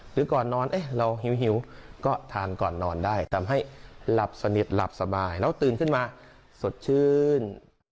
หรือก่อนนอนเราหิวก็ทานก่อนนอนได้ทำให้หลับสนิทหลับสบายแล้วตื่นขึ้นมาสดชื่น